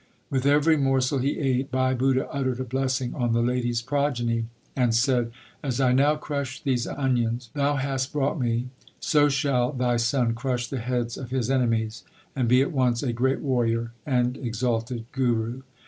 With every morsel he ate Bhai Budha uttered a blessing on the lady s progeny and said : As I now crush these onions thou hast brought me, so shall thy son crush the heads of his enemies, and be at once a great warrior and exalted Guru.